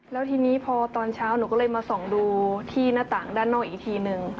แล้วทีนี้พอตอนเช้าหนูก็เลยมาส่องดูที่หน้าต่างด้านนอกอีกทีนึง